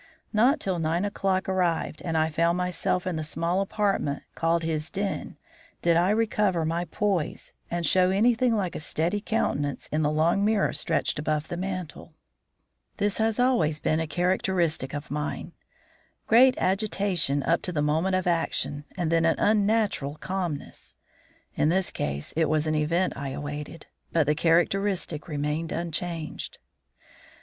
Not till nine o'clock arrived and I found myself in the small apartment called his den, did I recover my poise and show anything like a steady countenance in the long mirror stretched above the mantel. This has always been a characteristic of mine. Great agitation up to the moment of action, and then an unnatural calmness. In this case it was an event I awaited; but the characteristic remained unchanged.